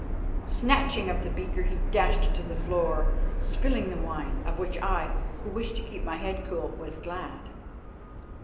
Snatching up the beaker he dashed it to the floor, spilling the wine, of which I, who wished to keep my head cool, was glad.